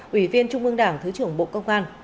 ủy viên trung ương đảng thứ trưởng bộ công an